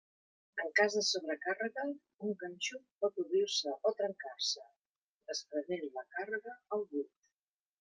En cas de sobrecàrrega, un ganxo pot obrir-se o trencar-se, desprenent la càrrega al buit.